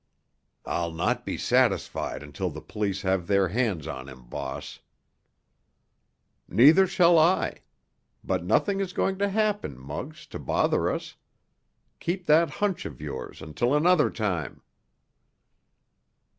"I'll not be satisfied until the police have their hands on him, boss." "Neither shall I. But nothing is going to happen, Muggs, to bother us. Keep that hunch of yours until another time."